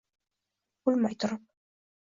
Bo’lmay turib